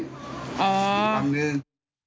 ทีละครั้งหนึ่ง